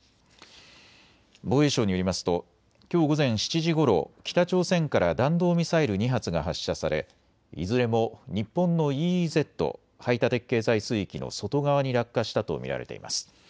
防衛省によりますときょう午前７時ごろ、北朝鮮から弾道ミサイル２発が発射され、いずれも日本のＥＥＺ・排他的経済水域の外側に落下したと見られています。